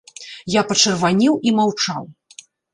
Я пачырванеў і маўчаў.